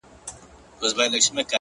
هره تجربه د ژوند نوی درس دی!.